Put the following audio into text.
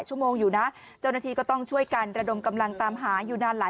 แล้วน้องป่วยเป็นเด็กออทิสติกของโรงเรียนศูนย์การเรียนรู้พอดีจังหวัดเชียงใหม่นะคะ